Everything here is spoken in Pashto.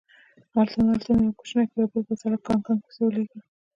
هملته مې یو کوچنی په یو بوتل کاګناک پسې ولېږه.